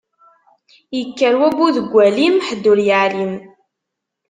Ikker wabbu deg walim, ḥedd ur yeɛlim.